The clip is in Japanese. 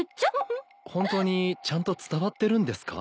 本当にちゃんと伝わってるんですか？